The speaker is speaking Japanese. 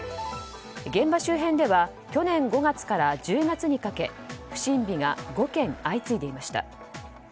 現場周辺では去年５月から１０月にかけ不審火が５件、相次いでいました。